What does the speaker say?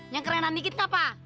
yang kerenan dikit nggak pak